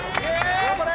頑張れ。